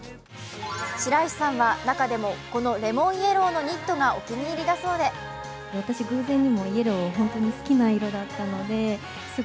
白石さんは中でもこのレモンイエローのニットがお気に入りだそうで続いてはこちら。